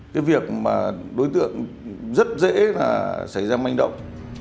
cái việc mà đối tượng rất dễ là xảy ra manh động